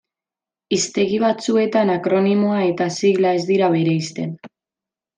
Hiztegi batzuetan, akronimoa eta sigla ez dira bereizten.